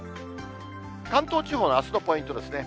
関東本当のあすのポイントですね。